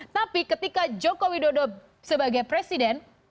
tapi ketika joko widodo sebagai presiden